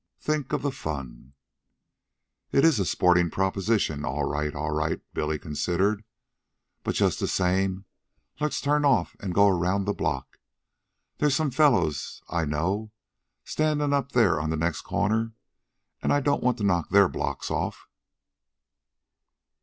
Think of the fun!" "It's a sporting proposition all right, all right," Billy considered. "But, just the same, let's turn off an' go around the block. There's some fellows I know, standin' up there on the next corner, an' I don't want to knock THEIR blocks off."